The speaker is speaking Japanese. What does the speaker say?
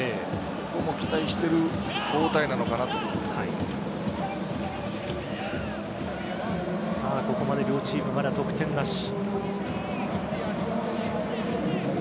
ここも期待しているここまで両チームまだ得点なし。